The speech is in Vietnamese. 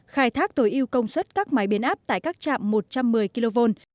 khai thác tối ưu công suất các máy biến áp tại các trạm một trăm một mươi kv